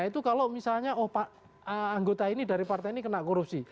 itu kalau misalnya anggota ini dari partai ini kena korupsi